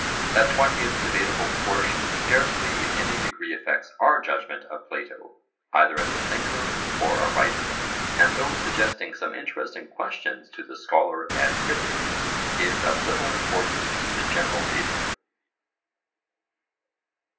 That twentieth debatable portion scarcely in any degree affects our judgment of Plato, either as a thinker or a writer, and though suggesting some interesting questions to the scholar and critic, is of little importance to the general reader.